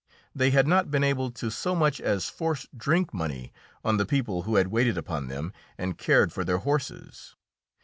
They had not been able to so much as force drink money on the people who had waited upon them and cared for their horses.